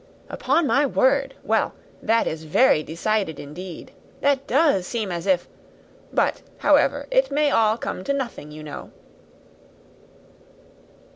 '" "Upon my word! Well, that was very decided, indeed that does seem as if but, however, it may all come to nothing, you know."